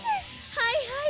はいはい。